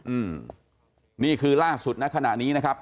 อืมนี่คือล่าสุดณขณะนี้นะครับ